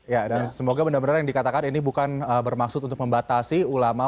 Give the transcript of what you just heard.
ya dan semoga benar benar yang dikatakan ini bukan bermaksud untuk membatasi ulama